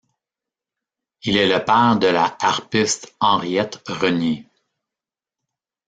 Il est le père de la harpiste Henriette Renié.